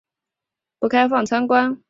暂时不开放参观